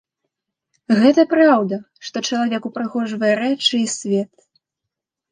Гэта праўда, што чалавек упрыгожвае рэчы і свет.